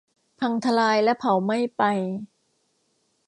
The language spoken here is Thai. พังทลายและเผาไหม้ไป